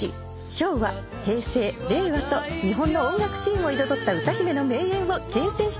昭和平成令和と日本の音楽シーンを彩った歌姫の名演を厳選してお送りします。